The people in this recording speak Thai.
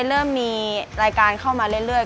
เริ่มมีรายการเข้ามาเรื่อย